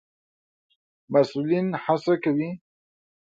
مسئولين هڅه کوي